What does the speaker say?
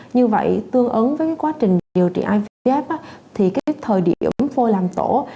như vậy tương ứng với quá trình điều trị ivf thì thời điểm phôi làm tổ